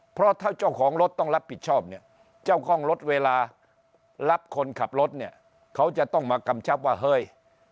เพราะถ้าเจ้าของรถต้องรับผิดชอบเนี่ยเจ้าของรถเวลารับคนขับรถเนี่ยเขาจะต้องมากำชับว่าเฮ้ย